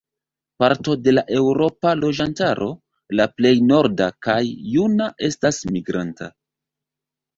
Parto de la eŭropa loĝantaro -la plej norda kaj juna- estas migranta.